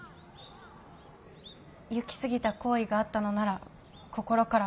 行き過ぎた行為があったのなら心からおわびします。